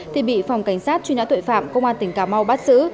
thì bị phòng cảnh sát truy nã tuệ phạm công an tỉnh cà mau bắt giữ